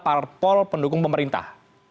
parpol pendukung pemerintah